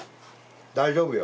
大丈夫よ。